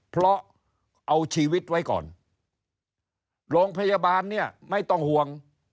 เพราะเอาชีวิตไว้ก่อนโรงพยาบาลเนี่ยไม่ต้องห่วง